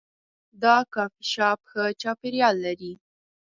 دا کافي شاپ ښه چاپیریال لري.